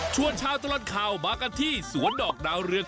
ชวนเช้าตลอดคลาวมากกันที่สวนดอกดาวเรือง